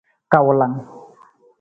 Kawulang.